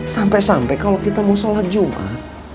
sampai sampai kalau kita mau sholat jumat